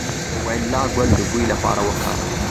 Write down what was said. د وانیلا ګل د بوی لپاره وکاروئ